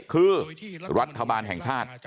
คือรัฐบาลแห่งชาติ